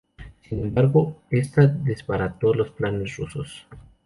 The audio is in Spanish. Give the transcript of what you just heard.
Sin embargo, esta desbarató los planes rusos.